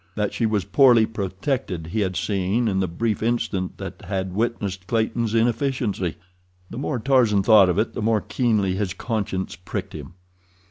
That she was illy protected he had seen in the brief instant that had witnessed Clayton's inefficiency. The more Tarzan thought of it, the more keenly his conscience pricked him.